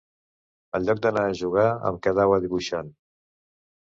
En lloc d’anar a jugar em quedava dibuixant.